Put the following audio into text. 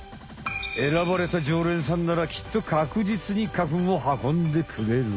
えらばれたじょうれんさんならきっと確実に花粉を運んでくれる。